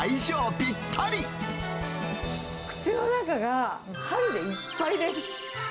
口の中が春でいっぱいです。